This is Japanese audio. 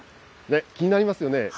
気になりますよね。